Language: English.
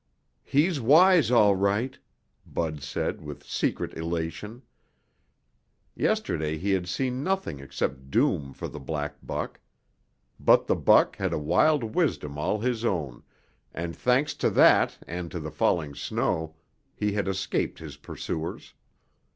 "He's wise, all right," Bud said with secret elation. Yesterday he had seen nothing except doom for the black buck. But the buck had a wild wisdom all his own, and thanks to that and to the falling snow, he had escaped his pursuers.